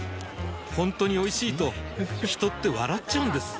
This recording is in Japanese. ほんとにおいしいと人って笑っちゃうんです